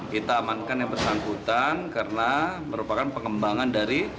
kita amankan yang bersangkutan karena merupakan pengembangan dari